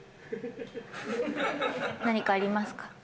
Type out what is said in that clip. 何かありますか？